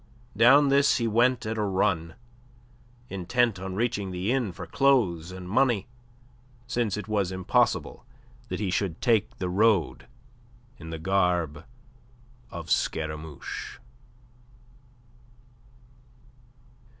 Down this he went at a run, intent on reaching the inn for clothes and money, since it was impossible that he should take the road in the garb of Scaramouche.